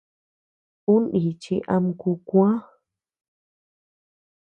Ú níchi ama kú kuäa.